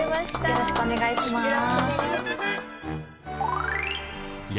よろしくお願いします。